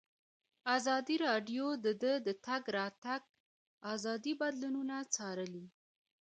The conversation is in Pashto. ازادي راډیو د د تګ راتګ ازادي بدلونونه څارلي.